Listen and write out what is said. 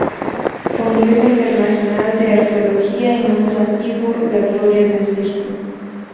Congreso Internacional de Arqueología y mundo antiguo: La gloria del Circo.